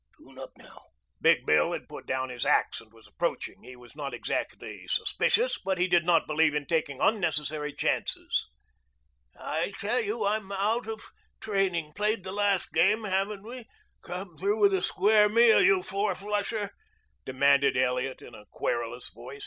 Pst! Tune up now." Big Bill had put down his axe and was approaching. He was not exactly suspicious, but he did not believe in taking unnecessary chances. "I tell you I'm out of training. Played the last game, haven't we? Come through with a square meal, you four flusher," demanded Elliot in a querulous voice.